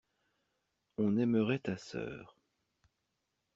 On aimerait ta sœur.